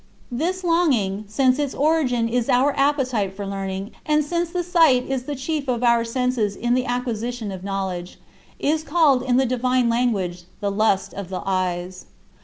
This longing since its origin is our appetite for learning, and since the sight is the chief of our senses in the acquisition of knowledge is called in the divine language "the lust of the eyes."